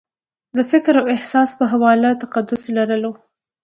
د فکر او احساس په حواله تقدس لرلو